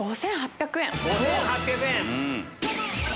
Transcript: ５８００円。